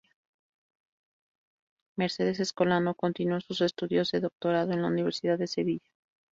Mercedes Escolano continuó sus estudios de Doctorado en la Universidad de Sevilla.